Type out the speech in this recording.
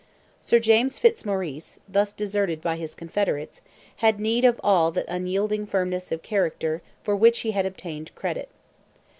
Sir James Fitzmaurice, thus deserted by his confederates, had need of all that unyielding firmness of character for which he had obtained credit.